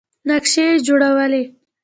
نقشې یې جوړولې.